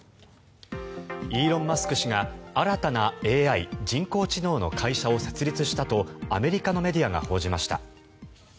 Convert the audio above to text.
イーロン・マスク氏が新たなＡＩ・人工知能の会社を設立したとアメリカのメディアが報じました。